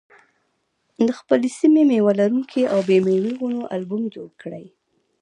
د خپلې سیمې د مېوه لرونکو او بې مېوې ونو البوم جوړ کړئ.